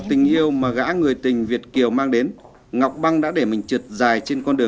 anh không thể gặp mặt thằng nam lúc này đâu